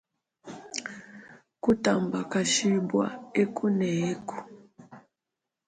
Kutambakashibua eku ne eku.